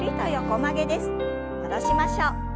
戻しましょう。